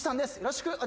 お願いします。